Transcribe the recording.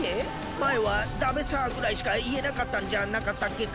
前は「だべさ」ぐらいしか言えなかったんじゃなかったっけか？